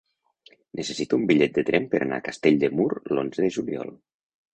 Necessito un bitllet de tren per anar a Castell de Mur l'onze de juliol.